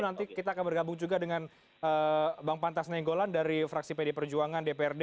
nanti kita akan bergabung juga dengan bang pantas nenggolan dari fraksi pd perjuangan dprd